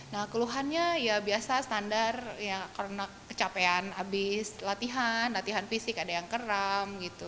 nah keluhannya ya biasa standar ya karena kecapean habis latihan latihan fisik ada yang keram gitu